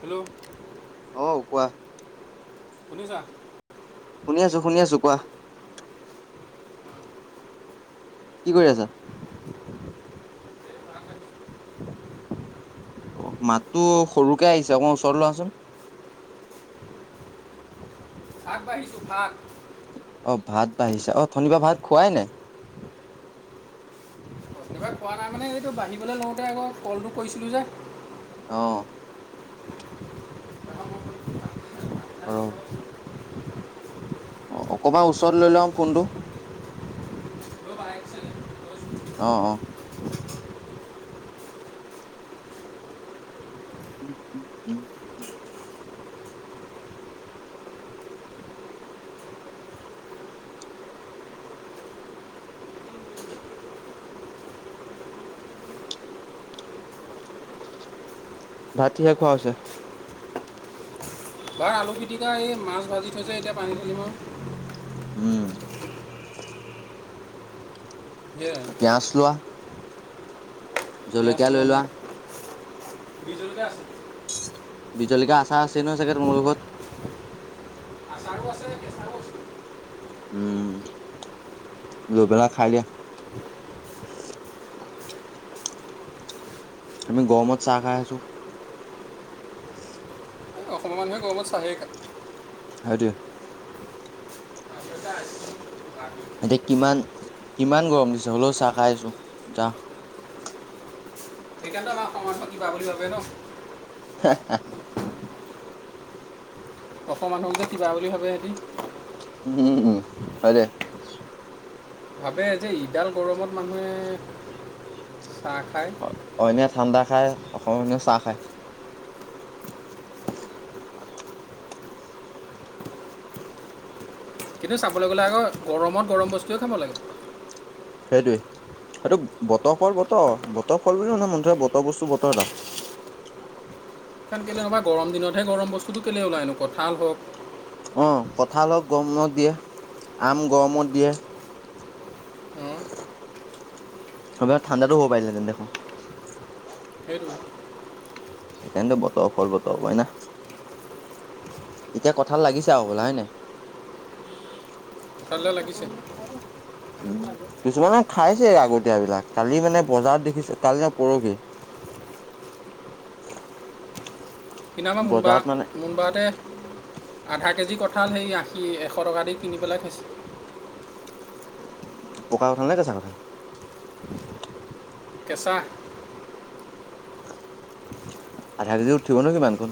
Hello অহ কোৱা। শুনিছা? শুনি আছোঁ, শুনি আছোঁ, কোৱা। কি কৰি আছা? অ' মাতটো সৰুকে আহিছে অকমান ওচৰত লোৱাচোন। [unintelligible] ভাত বাঢ়িছো, ভাত। অ ভাত বাঢ়িছা, অথনিপা ভাত খুৱাই নাই? এইবাৰ পোৱা নাই মানে, এইটো বাঢ়িবলৈ লওঁতে আকৌ কলটো কৰিছিলোঁ যে। অ'। আৰু অ, অকমান ওচৰত লৈ লোৱা আক ফোনটো। অ', অ'। উম উম উম, উম। ভাত কিহে খোৱা হৈছে? বাৰ আলু পিটিকা, এই মাছ ভাজি থৈছে, এতিয়া পানী ধালিম আৰু। উম। পিয়াজ লোৱা [unintelligible] পিয়াজ জলকীয়া লৈ লম লোৱা আৰু, বিহ জলকীয়া আছে। বিহ জলকীয়াৰ আচাৰ আছেই নহয় চাগে তোমালোকৰ ঘৰত? আচাৰো আছে, কেঁচাও আছে। উম, লৈ পেলাই খাই দিয়া। আমি গৰমত চাহ খাই আছোঁ। অসমৰ মানুহে গৰমত চাহে খায়। হেইটোৱে। এতিয়া কিমান-কিমান গৰম দিছে, হ'লেও চাহ খাই আছো। যাহ সেইকাৰণেতো আমাৰ অসমক কিবা বুলি ভাবে ন? হে, হা অসমৰ মানুহক যে কিবা বুলি ভাবে সিহঁতি। উম, হয় দে। ভাবে যে, এইডাল গৰমত মানুহে চাহ খায়! খায়, অসমীয়া মানুহে চাহ খায়। কিন্তু, চাবলৈ গ'লে আকৌ গৰমত গৰম বস্তুৱে খাব লাগে। সেইটোৱে। সেইটো বতৰ ফল বতৰত, বতৰ ফল বুলি মন যায়, বতৰ বস্তু বতৰত আহ [unintelligible] [unintelligible] গৰম দিনতহে গৰম বস্তুটো কেলেই ওলায়নো কঁঠাল হওঁক? অ' কঁঠালো গৰমত দিয়ে, আম গৰমত দিয়ে। অঁ, এইবোৰ ঠাণ্ডাতো হ'ব পাৰিলেহেঁতেন দেখোন। সেইটোৱে সেইকাৰণেতো বতৰৰ ফল বতৰত কয় না এতিয়া কঁঠাল লাগিছে আৰু হ'বলা হয় নে নাই? শুকালে লাগিছে। কিছুমানে খাইছে আগতীয়াবিলাক। কালি মানে বজাৰত দেখিছোঁ, কালি নে পৰহি। [unintelligible] কিন্তু আমাৰ মুনবা, বজাৰত মানে মুনবাহঁতে আধা কেজি কঁঠাল সেই আশী, এশ এশ টকা দি কিনি পেলাই খাইছে। পকা কঁঠালনে কেঁচা কঁঠাল? কেঁচা। আধাকেজিত উঠিবনো কিমান কণ।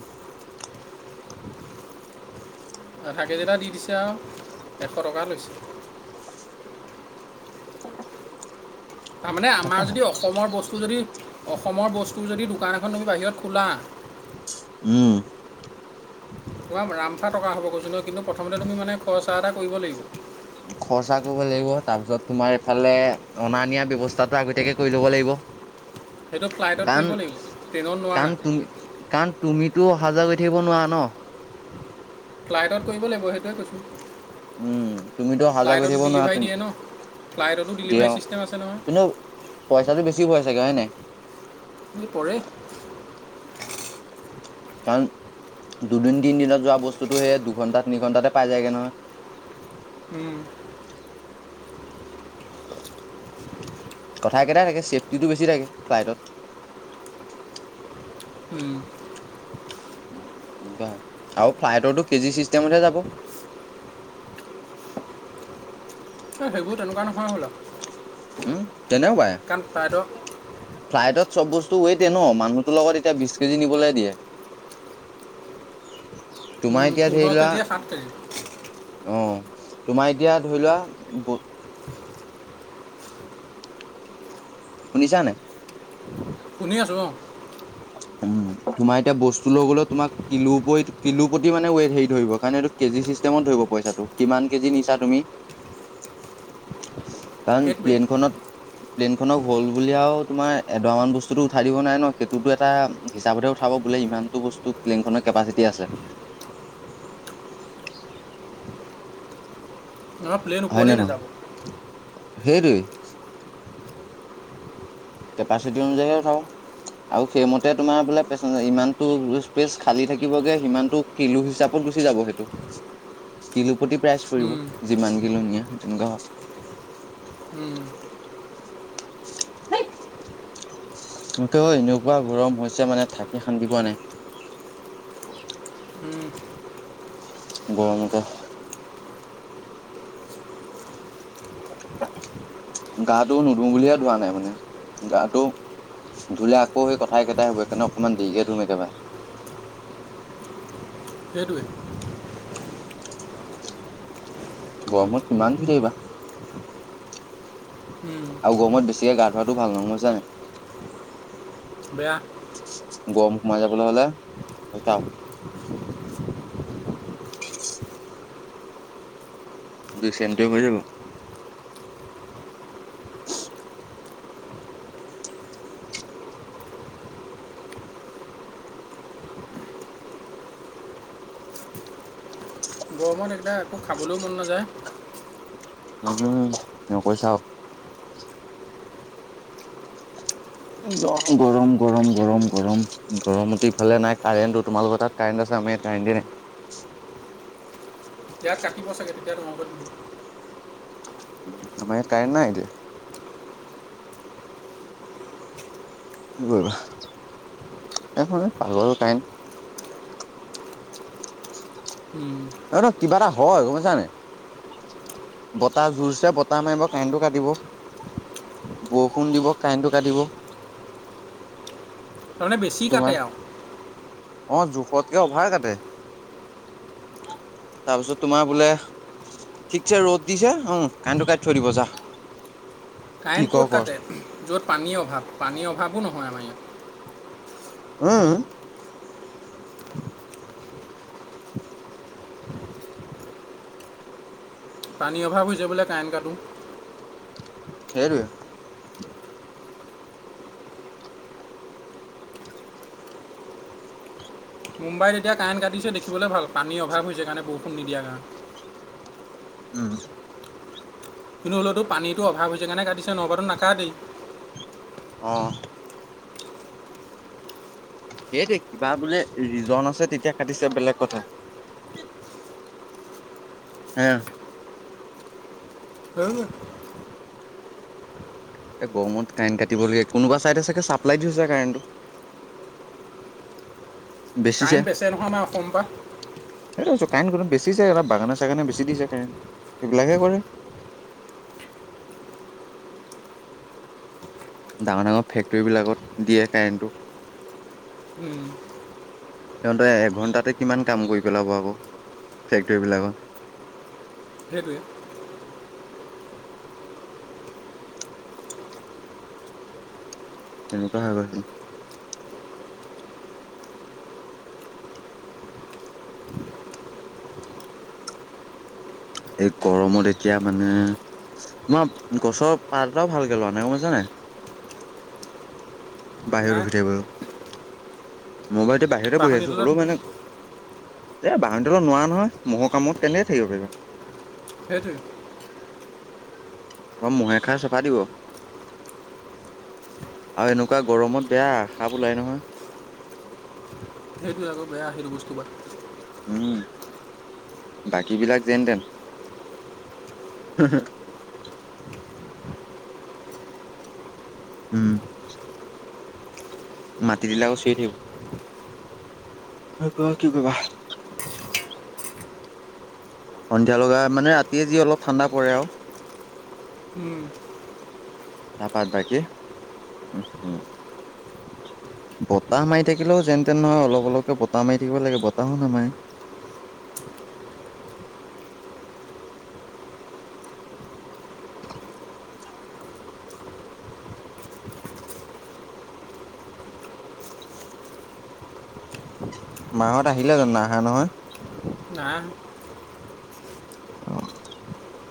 আধাকেজি এটা দি দিছে আৰু এশ টকা লৈছে। [unintelligible] তাৰমানে আমাৰ যদি অসমৰ বস্তু যদি অসমৰ বস্তুৰ যদি দোকান এখন তুমি বাহিৰত খোলা উম। তোমাৰ ৰামফা টকা হ'ব কৈছোঁ নহয়, কিন্তু প্ৰথমতে তুমি মানে খৰচা এটা কৰিব লাগিব। খৰচা কৰিব লাগিব। তাৰপিছত, তোমাৰ এইফালে অনা-নিয়া ব্যৱস্থাটো আগতীয়াকৈ কৰি ল'ব লাগিব। সেইটো ফ্লাইটত কৰিব কাৰণ, লাগিব ট্ৰেইনত নোৱাৰা কাৰণ তুমি, কাৰণ তুমি তো অহা-যোৱা কৰি থাকিব নোৱাৰা ন। ফ্লাইটত কৰিব লাগিব, সেইটোৱে কৈছোঁ। উম, তুমিতো অহা-যোৱা কৰি ফ্লাইটত থাকিব নোৱাৰা, ডেলিভাৰী দিয়ে ন তুমি ফ্লাইটতো ডেলিভাৰী [unintelligible] ছিষ্টেম আছে নহয় কিন্তু পইচাটো বেছি পোৱা চাগে হয় নাই? [unintelligible] পৰে। কাৰণ দুদিন-তিনদিনত যোৱা বস্তুটো সেই দুঘন্টা-তিনিঘন্টাতে পাই যায়গে নহয়। উম। কথা একেটাই থাকে, চেফটিটো বেছি থাকে ফ্লাইটত। উম। আৰু ফ্লাইটৰটো কেজি চিষ্টেমতহে যাব। এ সেইবোৰ তেনেকুৱা নহয় হবলা। উম, তেনেকোৱাই, ফ্লাইটত চব বস্তু ৱেইট এ ন', মানুহটোৰ লগত এতিয়া বিশ কেজি নিবলৈ দিয়ে। তোমাৰ উম, এতিয়া ধৰি পোন্ধৰ লোৱা, কেজিয়ে সাত কেজি অ'। তোমাৰ এতিয়া ধৰি লোৱা ব শুনিছানে? শুনি আছোঁ, অ'। উম, তোমাৰ এতিয়া বস্তু লৈ গ'লেও তোমাক কিলো কৰি, কিলো প্ৰতি মানে ৱেইট হেৰি ধৰিব, কাৰণ এইটো কেজি চিষ্টেমত ধৰিব। পইচাটো, কিমান কেজি নিছা তুমি। [inaudible] কাৰণ সেইটোৱে প্লেনখনত প্লেইনখনক হ'ল বুলি আৰু তোমাৰ এডৰা মান বস্তুতো উঠাই দিব নোৱাৰে ন', সেই [unintelligible] এটা হিচাপতহে উঠাব, বোলে ইমানটো বস্তু বোলে প্লেনখনৰ কেপাচিটি আছে। [inaudible] [unintelligible] প্লেন হয় নে ওপৰলেই নহয় নাযাব। সেইটোৱেই। কেপাচিটি অনুযাই হে উঠাব। আৰু সেইমতে তোমাৰ বোলে পেচজ, ইমানতটো স্পেচ খালী থাকিবগে সিমানটো কিলো হিচাপত গুচি যাব সেইটো। কিলো প্ৰতি প্ৰাইচ পৰিব, উম, যিমান কিলো নিয়া সেই তেনেকুৱা হয়। উম। [inaudible] কিন্তু এনেকুৱা গৰম হৈছে মানে থাকি শান্তি পোৱা নাই। [inaudible] উম, গৰমতে। গাটোও নুধু বুলিয়ে ধোৱা নাই মানে, গাটো ধুলে আকৌ সেই কথা একেইটাই হব, সেইকাৰণে অকণমান দেৰিকে ধুম একেবাৰে। [inaudible] সেইটোৱে। গৰমত কিমান ধুই থাকিবা। উম, আৰু গৰমত বেছিকে গা ধোৱাটো ভাল নহয়, গম পাইছানে। বেয়া। গৰম সোমাই যাবলে হলে, হৈছে। [unintelligible] [inaudible] [unintelligible] যাব। গৰমত একদাৰ একো খাবলৈও মন নাযায়। নকৈছা আও। গৰম, গৰম, গৰম, গৰম, গৰমত ইফালে নাই কাৰেণ্টটো, তোমালোকৰ তাত কাৰেণ্ট আছে আমাৰ ইয়াত কাৰেণ্ট এ নাই। [unintelligible] কাটিব চাগে তেতিয়া তোমালোকৰ দিব। আমাৰ ইয়াত কাৰেণ্ট নাই এতিয়া। কি কৰিবা? এইখন পাগল কাৰেণ্ট। উম। নহয় কিবা এটা হয়, গম‌‌ পইছানে নাই? বতাহ জোৰছে বতাহ মাৰিব, কাৰেণ্টো কাটিব। বৰষুণ দিব কাৰেণ্টো কাাটিব। তাৰমানে বেছি কাটে আৰু। অ', জোখতকে অভাৰ কাটে। [inaudible] তাৰ পিছত তোমাৰ বোলে ঠিকছে ৰ'দ দিছে উম কণ্টো কাইি থৈ দিব যা। কি কাৰেণ্ট ক'ত কৰ কৰ কাটে? য'ত পানীৰ অভাৱ। পানীৰ অভাৱো নহয় আমাৰ ইয়াত। উম'। [inaudible] পানীৰ অভাৱ হৈছে বোলে কাৰেণ্ট কাটো। সেইটোৱে। মুম্বাইত এতিয়া কাৰেণ্ট কাটিছে দেখিবলৈ ভাল পানীৰ অভাৱ হৈছে কাৰণে বৰষুণ নিদিয়াৰ কাৰণে। উম। কিন্তু হ'লেওতো পানীটো অভাৱ হৈছে কাৰণে কাটিছে নহপাটো নাকা দেই। অহ। সেইটেই কিবা বোলে ৰিজন আছে তেতিয়া কাটিছে বেলেগ কথা। হা সেইটোৱেই। গমত কাৰেণ্ট কাটিবলগীয়া কোনোবা ছাইডে চাগে ছাপ্লাই দিছে কাৰেণ্টটো। [inaudible] বেচিছে কাৰেণ্ট বেচে নহয় আমাৰ অসমৰ পৰা। সেই টোৱে কৈছো কাৰেণ্ট গম বেছি যায় অলপ বাগানে চাগানে বেছি দি যায় কাৰেণ্ট সেইবিলাকে কৰে। [inaudible] ডাঙৰ ডাঙৰ ফেক্টৰীবিলাকত দিয়ে কাৰেণ্টটো। উম। সিহঁতে এঘন্টাতে কিমান কাম কৰি পেলাব আকৌ। ফেক্টৰীবিলাকত। সেইটোৱে। তেনেকুৱা হৈ গৈছে। এই গৰমত এতিয়া মানে তোমাৰ গছৰ পাট এটাও ভাল কে লোৰা নাই গম পাইছানে নাই। বাহিৰ নাই ৰখি থাকিব লেউ। মইবাইটো বাহিৰতে বাঁহনি বহিছো তলত হ'লেও মানে এ বাহনীতলত নোৱাৰোৱা নহয় মহৰ কামোৱত কেনেকয়ে থাকিব পাৰিবা। সেইটোৱ। আৰু মহে খাই চাফা দিব। আৰু এনেকুৱা গৰমত বেয়া সাপ ওলাই নহয়। সেইটোৱে আকৌ বেয়া আহিল বস্তু পাত উম বাকী বিলাক যেনতেন্ হো হো উম' মাটি দিলে আকৌ চিঞৰি থাকিব। হয় ক কি কৰিবা সন্ধিয়া লগা মানে ৰাতিয়ে যি অলপ ঠাণ্ডা পৰে আৰু। উম, তাপাত বাকী উম হো বতাহ মাৰি থাকিলেও যেন তেন নহয় অলপ অলপকে বতাহ মাৰি থাকিব লাগে বতাহো নামায়ে। [inaudible] মাহত আহিলে জানো নাই আহা নহয়? নাই অহা। অ'।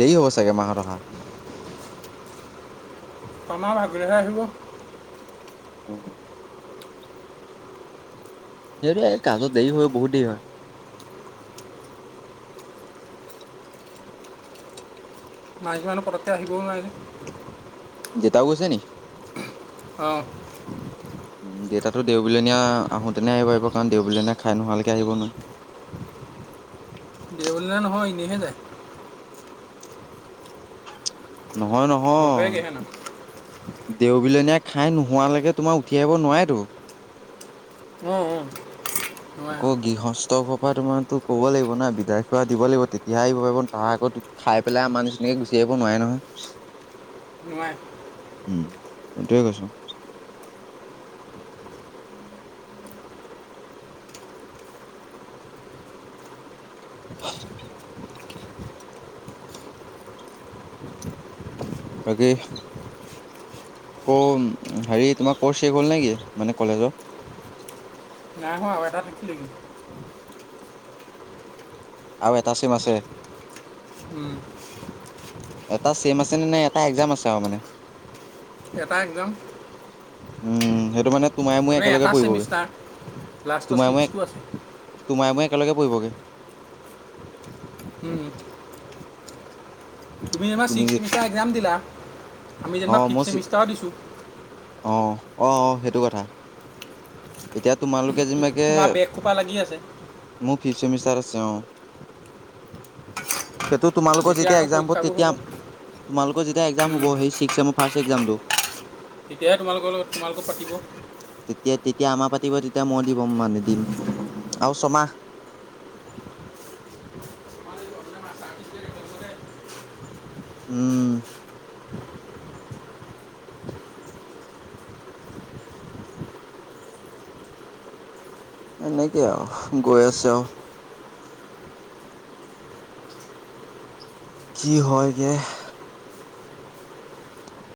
দেৰি হ'ব চাগে মাহত অহা? [inaudible] হয়। সেইটো এই কাজত দেৰি হৈ বহুত দেৰি হয়। মাইকী মানুহ পতককৈ আহিবও নোৱাৰি। দিতাও গৈছে নি অঁ দেউতাতটো দেওবুলিনীয়া আহোতেনে আহিবাৰিব কাৰণ দেওবুলীয়া খাই নোহালকৈ আহিব নহয়। [unintelligible] নহয়, এনেইহে যায়। নহয় বহেগৈহে না নহয় দেওবিলনীয়া খাই নোহোৱালৈকে তোমাৰ উঠি আহিব নোৱাৰেটো। উম, উম। আকৌ গৃহস্থ [unintelligible] তোমাৰতো ক'ব লাগিব ন! বিদায় চোৱা দিব লাগিব, তেতিয়াহে আহিব‌ পাৰিব [unintelligible] আকৌ খাই পেলাই আমাৰ নিচিনাকৈ গুচি আহ দিব নোৱাৰে নহয় নোৱাৰে উম সটোৱে কৈছো বাকী আকৌ হেৰি তোমাৰ কৰ্চ শেষ হ'ল, নেকি? মানে কলেজৰ? নাইহোৱা এটাত থাকিলেই আৰু এটাচিম আছে উম, এটা ছেম আছে নে নাই এটা এক্জাম আছে আৰু মানে। এটা একদম উম, সেইটো মানে তোমাই মই একেলগে এটা পৰিবগৈ ছেমিষ্টাৰ লাষ্টৰ তোমাৰ মই ছিক্সটো আছে তোমাই মোক একেলগে পৰিবগে। উম। তুমি [unintelligible] চিক্স চেমিষ্টাৰ একজাম দিলা? আমি অ যেনিবা মই ফিফথ চি চেমিষ্টাৰৰ দিছোঁ। অ অ সেইটো কথা এতিয়া তোমালোকে যেনেকাকে তোমাৰ বেগ খোপা লাগি আছে মোৰ ফিফ চেমিষ্টাৰ আছে অ সেইটো তোমালোকৰ এতিয়া যেতিয়া আকৌ এক্জাম হ'ব পৰীক্ষাবোৰ তেতিয়া তোমালোকৰ যেতিয়া এক্জাম হব সেই ছিক্স ফাৰ্ষ্ট এক্জামটো তেতিয়াহে তোমালোকৰ লগ তোমালোকক পাতিব মাহ পাতিব তেতিয়া মই দিব মানে দিম আৰু ছমাহ [unintelligible] উম এনেকে আৰু গৈ আছে আৰু কি হয়গে?